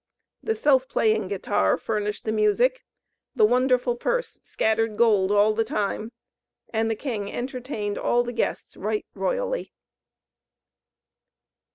The Self playing Guitar furnished the music, the wonderful purse scattered gold all the time, and the king entertained all the guests right royally.